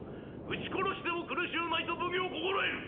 打ち殺しても苦しゅうないと奉行心得る！